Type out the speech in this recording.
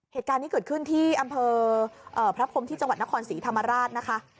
เหตุการณ์ที่เกิดขึ้นที่อำเภอพระพมที่นักคอนสีถามราชนะคะ